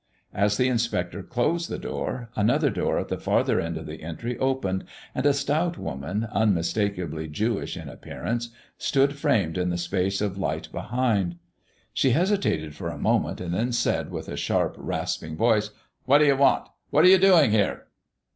As the inspector closed the door, another door at the farther end of the entry opened and a stout woman, unmistakably Jewish in appearance, stood framed in the space of light behind. She hesitated for a moment, and then said, with a sharp, rasping voice: "What do you want? What are you doing here?"